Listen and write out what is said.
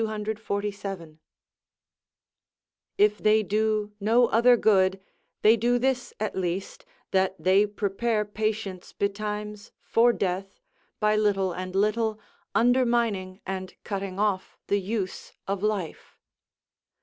] If they do no other good, they do this at least, that they prepare patients betimes for death, by little and little undermining and cutting off the use of life.